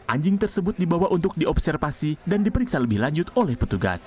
anjing tersebut dibawa untuk diobservasi dan diperiksa lebih lanjut oleh petugas